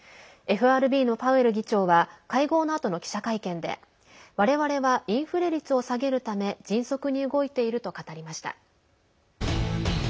ＦＲＢのパウエル議長は会合のあとの記者会見でわれわれはインフレ率を下げるため迅速に動いていると語りました。